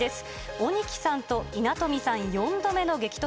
鬼木さんと稲富さん、４度目の激突。